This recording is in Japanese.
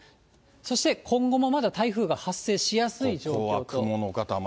そして今後もまだ、台風が発生しやすい状況と。